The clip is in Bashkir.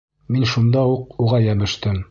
Мин шунда уҡ уға йәбештем.